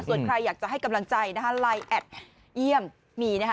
ส่วนใครอยากจะให้กำลังใจนะคะไลน์แอดเยี่ยมมีนะคะ